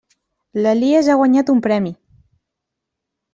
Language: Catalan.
L'Elies ha guanyat un premi!